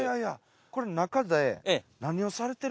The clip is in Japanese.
これ中で。